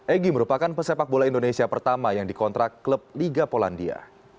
egy merupakan pesepak bola indonesia pertama yang dikontrak klub liga polandia